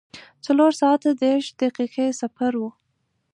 څلور ساعته دېرش دقیقې سفر و.